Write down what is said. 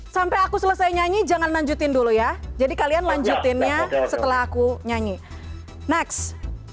sampai aku selesai nyanyi jangan lanjutin dulu ya jadi kalian lanjutinnya setelah aku nyanyi next